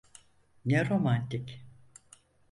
Ne romantik!